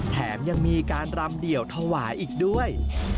แถมยังมีการรำเดี่ยวถวายอีกด้วย